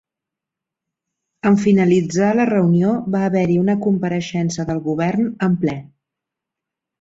En finalitzar la reunió va haver-hi una compareixença del Govern en ple.